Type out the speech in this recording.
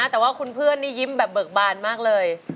แต่ว่าคุณเพื่อนนี่ยิ้มแบบเบิกบานมากเลย